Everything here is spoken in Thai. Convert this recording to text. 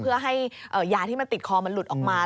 เพื่อให้ยาที่มันติดคอมันหลุดออกมา